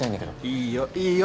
いいよいいよ